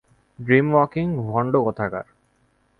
Dreamwalking, ভন্ড কোথাকার!